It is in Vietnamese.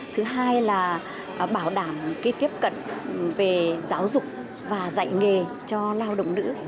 thứ hai là bảo đảm cái tiếp cận về giáo dục và dạy nghề cho lao động nữ